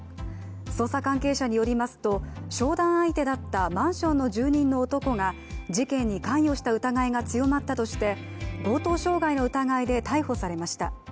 捜査関係者によりますと商談相手だったマンションの住人の男が事件に関与した疑いが強まったとして強盗傷害の疑いで逮捕されました。